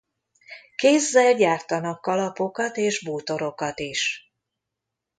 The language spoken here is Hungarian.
Kézzel gyártanak kalapokat és bútorokat is.